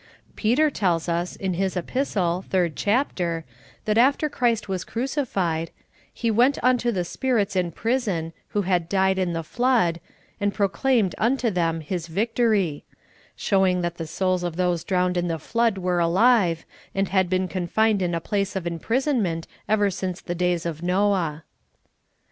Peter tells us, in his Epistle, 3d chapter, that after Christ was crucified, "He w^ent unto the spirits in prison, who had died in the Flood, and proclaimed unto them His victory," showing that the souls of those drowned in the Flood were alive, and had been con fined in a place of imprisonment ever since the days of Noah.